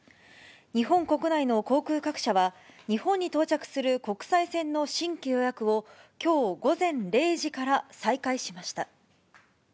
日本国内の航空各社は、日本に到着する国際線の新規予約をきょう午前０時から再開しました。